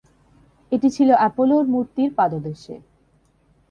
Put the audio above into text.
এটি ছিল অ্যাপোলোর মূর্তির পাদদেশে।